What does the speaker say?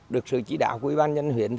được sự chỉ đạo của ủy ban nhân huyện